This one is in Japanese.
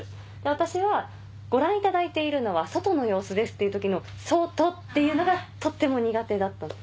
私は「ご覧いただいているのは外の様子です」っていう時の「外」っていうのがとっても苦手だったの。